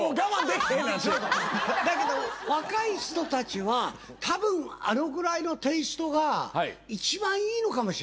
だけど若い人たちはたぶんあのぐらいのテイストが一番いいのかもしれない。